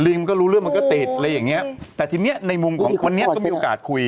มันก็รู้เรื่องมันก็ติดอะไรอย่างเงี้ยแต่ทีเนี้ยในมุมของวันนี้ก็มีโอกาสคุย